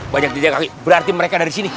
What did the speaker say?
banyak dijakaki berarti mereka ada disini